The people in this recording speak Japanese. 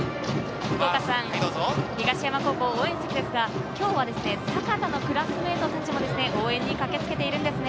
東山高校応援席ですが、今日は阪田のクラスメート達も応援に駆けつけているんです。